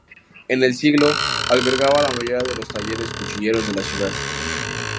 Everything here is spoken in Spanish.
En el siglo albergaba la mayoría de los talleres cuchilleros de la ciudad.